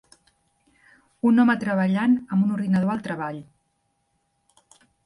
Un home treballant amb un ordinador al treball.